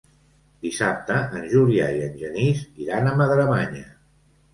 Dissabte en Julià i en Genís iran a Madremanya.